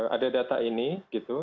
ada data ini gitu